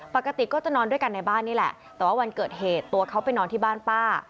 ปกติก็จะนอนด้วยกันในบ้านนี่แหละแต่ว่าวันเกิดเหตุตัวเขาไปนอนที่บ้านป้า